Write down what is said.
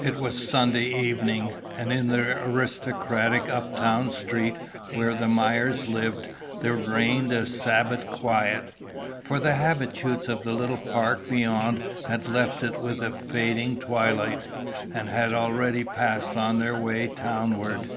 It was Sunday evening, and in the aristocratic uptown street where the Myers lived there reigned a Sabbath quiet, for the habitues of the little park beyond had left it with the fading twilight, and had already passed on their way townward.